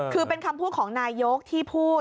คือเป็นคำพูดของนายกที่พูด